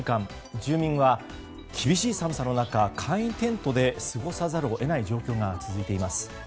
住民は厳しい寒さの中簡易テントで過ごさざるを得ない状況が続いています。